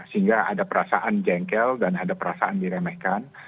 sehingga ada perasaan jengkel dan ada perasaan diremehkan